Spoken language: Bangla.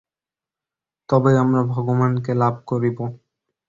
তবেই আমরা ভগবানকে লাভ করিব।